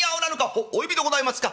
「はっお呼びでございますか」。